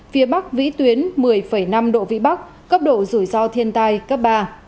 phía bắc vĩ tuyến một mươi năm độ vĩ bắc cấp độ rủi ro thiên tai cấp ba